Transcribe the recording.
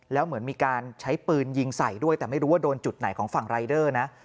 แล้วเหมือนมีการใช้ปืนยิงใส่ด้วยแต่ไม่รู้ว่าโดนจุดไหนของฝั่งรายเดอร์นะ